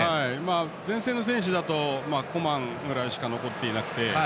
前線の選手だとコマンぐらいしか残っていなくて。